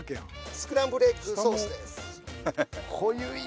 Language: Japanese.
スクランブルエッグソースです。